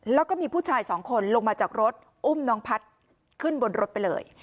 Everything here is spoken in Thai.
แล้วก็มีผู้ชายสองคนลงมาจากรถอุ้มน้องพัฒน์ขึ้นบนรถไปเลย